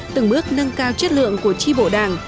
từng bước nâng cao chất lượng của tri bộ đảng